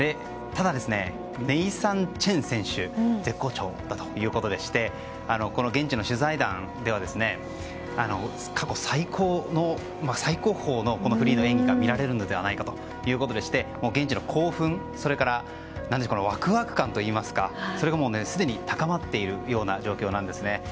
ただ、ネイサン・チェン選手絶好調だということでしてこの現地の取材団では過去最高峰のフリーの演技が見られるのではないかということでして現地の興奮それとワクワク感といいますかそれがもうすでに高まっているような状況なんですね。